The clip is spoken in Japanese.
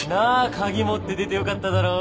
鍵持って出てよかっただろ？